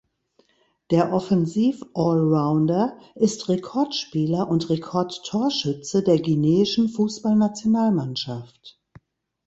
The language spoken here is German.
Der Offensiv-Allrounder ist Rekordspieler und Rekordtorschütze der guineischen Fußballnationalmannschaft.